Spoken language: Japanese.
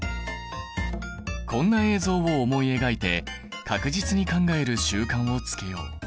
こんな映像を思い描いて確実に考える習慣をつけよう。